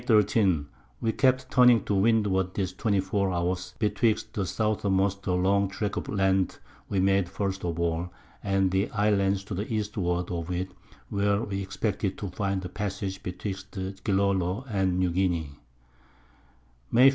_ We kept turning to Windward this 24 Hours, betwixt the Southermost long Track of Land we made first of all, and the Islands to the Eastward of it, where we expected to find the Passage betwixt Gillolo and New Guinea. _May 15.